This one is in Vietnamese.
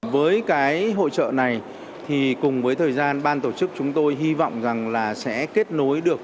với cái hỗ trợ này thì cùng với thời gian ban tổ chức chúng tôi hy vọng rằng là sẽ kết nối được